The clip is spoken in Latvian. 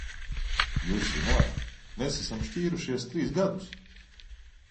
Jūs zināt, mēs esam šķīrušies trīs gadus?